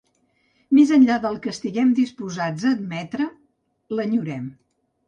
Més enllà del que estiguem disposades a admetre, l'enyorem.